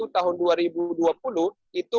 tahun dua ribu dua puluh itu